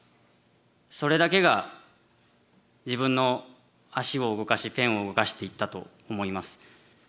それだけが自分の足を動かしペンを動かしていったと思います。